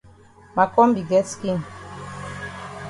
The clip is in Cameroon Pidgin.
Ma kombi get skin.